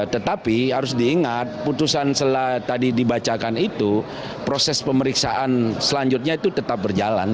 tetapi harus diingat putusan setelah tadi dibacakan itu proses pemeriksaan selanjutnya itu tetap berjalan